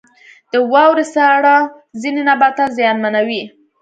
• د واورې ساړه ځینې نباتات زیانمنوي.